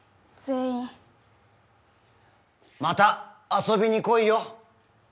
また遊びに来いよ！